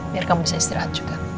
biar kamu bisa istirahat juga